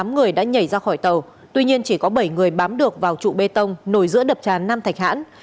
tám người đã nhảy ra khỏi tàu tuy nhiên chỉ có bảy người bám được vào trụ bê tông nổi giữa đập tràn nam thạch hãn